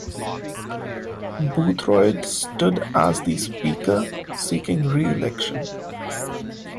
Boothroyd stood as The Speaker seeking re-election.